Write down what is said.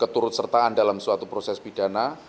keturut sertaan dalam suatu proses pidana